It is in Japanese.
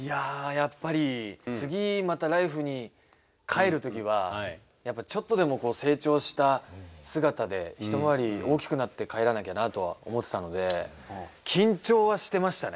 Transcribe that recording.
やっぱり次また「ＬＩＦＥ！」に帰るときはやっぱちょっとでも成長した姿で一回り大きくなって帰らなきゃなとは思ってたので緊張はしてましたね